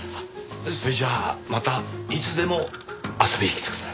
それじゃあまたいつでも遊びに来てください。